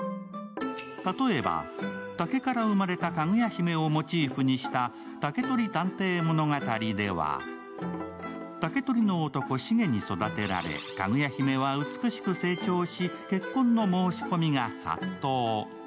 例えば、竹から生まれたかぐや姫をモチーフにした「竹取探偵物語」では、竹取の男シゲに育てられ、かぐや姫は美しく成長し、結婚の申し込みが殺到。